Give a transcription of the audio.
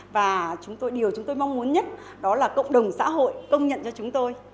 và điều chúng tôi mong muốn nhất đó là cộng đồng xã hội công nhận cho chúng tôi